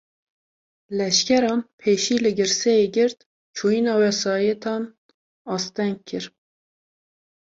Leşkeran, pêşî li girseyê girt, çûyîna wesaîtan asteng kir